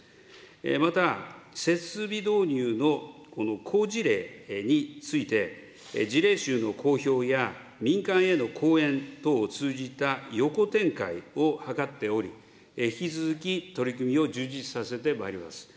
また、設備導入の好事例について、事例集の公表や、民間への講演等を通じた横展開を図っており、引き続き取り組みを充実させてまいります。